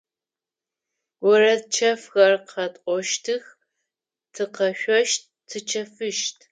Орэд чэфхэр къэтӏощтых, тыкъэшъощт, тычэфыщт.